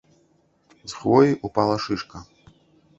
З хвоі ўпала шышка.